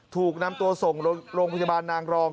ถูกนำตัวส่งโรงพยาบาลนางรอง